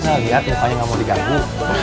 nah liat mukanya gak mau diganggu